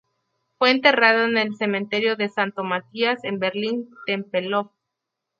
Fue enterrado en el Cementerio de St.-Matthias, en Berlín-Tempelhof.